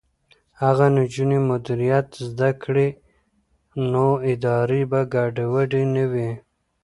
که نجونې مدیریت زده کړي نو ادارې به ګډې وډې نه وي.